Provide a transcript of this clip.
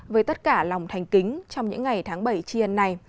với tất cả lòng thành kính trong những ngày tháng bảy chiên này